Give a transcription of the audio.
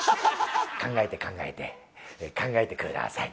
考えて、考えて、考えてください。